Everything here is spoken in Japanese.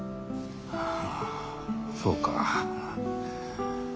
ああそうか。